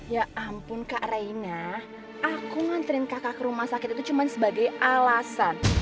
ya ampun kak raina aku nganterin kakak ke rumah sakit itu cuma sebagai alasan